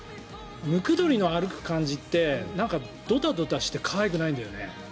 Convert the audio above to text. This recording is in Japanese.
ムクドリの歩く感じってなんかドタドタして可愛くないんだよね。